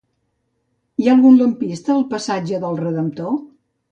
Hi ha algun lampista al passatge del Redemptor?